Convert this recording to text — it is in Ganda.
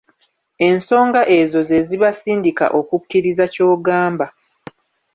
Ensonga ezo ze zibasindika okukkiriza ky'ogamba.